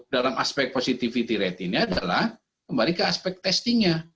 dalam aspek positivity rate ini adalah kembali ke aspek testingnya